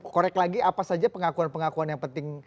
korek lagi apa saja pengakuan pengakuan yang penting